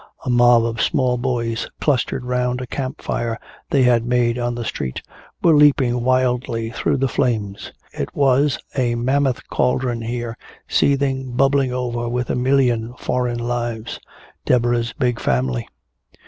A mob of small boys, clustered 'round a "camp fire" they had made on the street, were leaping wildly through the flames. It was a mammoth cauldron here, seething, bubbling over with a million foreign lives. Deborah's big family.